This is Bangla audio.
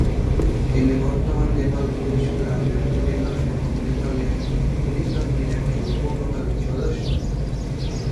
তিনি বর্তমানে নেপাল পুলিশ ক্লাবের অধিনায়ক এবং নেপালের পুলিশ বাহিনীর একজন পূর্ণকালীন সদস্য।